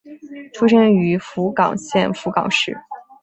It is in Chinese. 出身于福冈县福冈市。